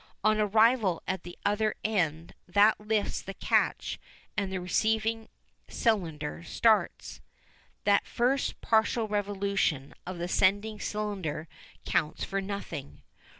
On arrival at the other end that lifts the catch and the receiving cylinder starts. That first partial revolution of the sending cylinder counts for nothing.